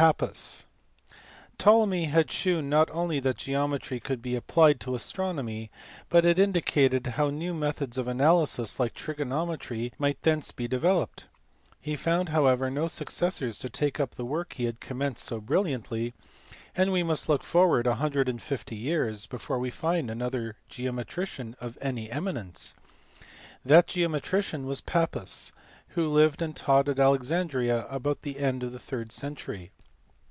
, Pappus. Ptolemy had shewn not only that geometry could be applied to astronomy, but had indicated how new methods of analysis like trigonometry might be thence developed. He found however no successors to take up the work he had com menced so brilliantly, and we must look forward 150 years before we find another geometrician of any eminence. That ! geometrician was Pappus who lived and taught at Alexandria about the end of the third century.